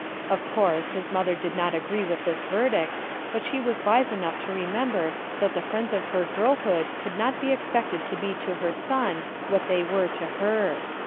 Of course his mother did not agree with this verdict, but she was wise enough to remember that the friends of her girlhood could not be expected to be to her son what they were to her.